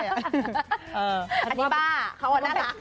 อันนี้บ้าเขาน่ารัก